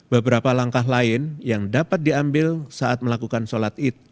beberapa langkah lain yang dapat diambil saat melakukan sholat id